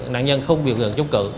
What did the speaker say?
nạn nhân không biểu hiện chống cử